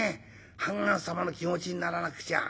判官様の気持ちにならなくちゃ。